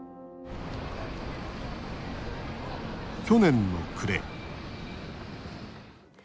去年の暮れ。